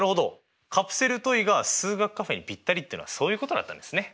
カプセルトイが数学カフェにぴったりっていうのはそういうことだったんですね。